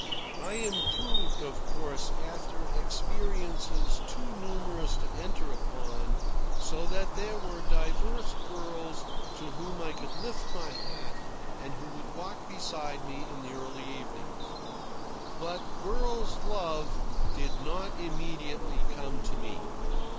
I improved, of course, after experiences too numerous to enter upon, so that there were divers girls to whom I could lift my hat and who would walk beside me in the early evenings. But girl's love did not immediately come to me.